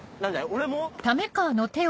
俺も？